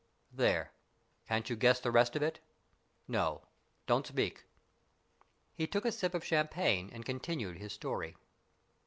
There, can't you guess the rest of it ? No, don't speak." BURDON'S TOMB 85 He took a sip of champagne, and continued his story.